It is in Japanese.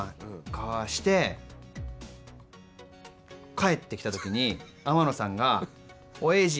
して帰ってきた時に天野さんが「おい瑛士！」